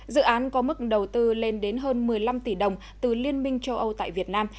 dự án có mức đầu tư lên đến hơn một mươi năm tỷ đồng từ liên minh châu âu tại việt nam